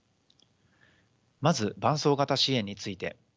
まず伴走型支援について。